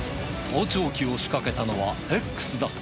盗聴器を仕掛けたのはＸだっ